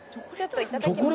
いただきます。